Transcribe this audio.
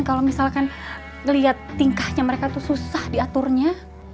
kalau misalkan lihat tingkahnya mereka tuh susah diaturnya